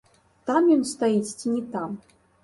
Там ён стаіць ці не там.